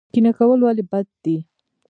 کینه کول ولې بد دي؟